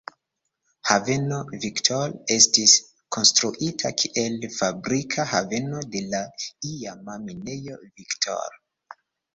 Haveno Victor estis konstruita kiel fabrika haveno de la iama Minejo Victor.